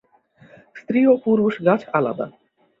স্ত্রী ও পুরুষ গাছ আলাদা।